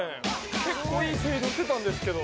結構いい声量してたんですけど。